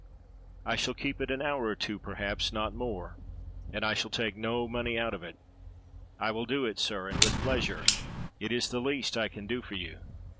"I shall keep it an hour or two perhaps, not more; and I shall take no money out of it." "I will do it, sir, and with pleasure. It is the least I can do for you."